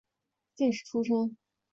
进士出身。